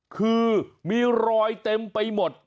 คือมีรอยเต็มไปหมด